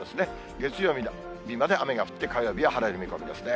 月曜日まで雨が降って、火曜日は晴れる見込みですね。